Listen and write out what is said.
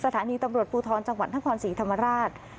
ตำรวจปูทรจังหวัดท่านความสีธรรมราช